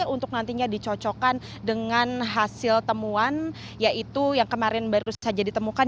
untuk nantinya dicocokkan dengan hasil temuan yaitu yang kemarin baru saja ditemukan